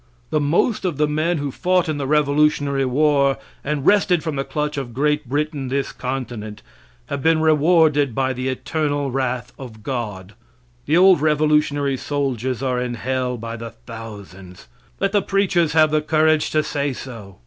The most of the men who fought in the Revolutionary War and wrested from the clutch of Great Britain this continent; have been rewarded by the eternal wrath of God. The old Revolutionary soldiers are in hell by the thousands. Let the preachers have the courage to say so.